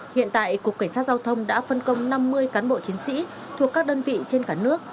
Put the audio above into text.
hiện tại cục cảnh sát giao thông đã phân công năm mươi cán bộ chiến sĩ thuộc các đơn vị trên cả nước